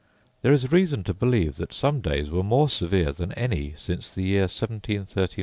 There is reason to believe that some days were more severe than any since the year 1739 40. I am, etc.